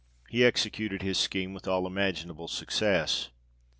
He executed his scheme with all imaginable success.